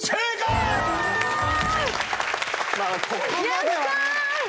やった！